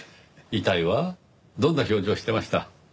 遺体はどんな表情をしてました？